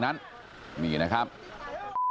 ครอบครัวญาติพี่น้องเขาก็โกรธแค้นมาทำแผนนะฮะ